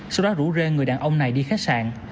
sau đó rủ rê người đàn ông này đi khách sạn